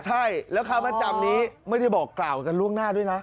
ใช่แล้วค้ามาจำนี้ไม่ได้บอกกล่าวกันล่วงหน้าด้วยนะ